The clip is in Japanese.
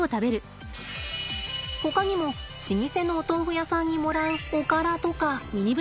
ほかにも老舗のお豆腐屋さんにもらうおからとか。